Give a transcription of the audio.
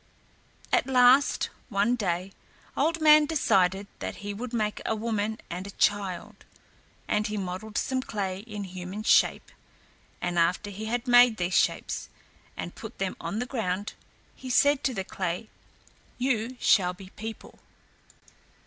At last, one day, Old Man decided that he would make a woman and a child, and he modelled some clay in human shape, and after he had made these shapes and put them on the ground, he said to the clay, "You shall be people."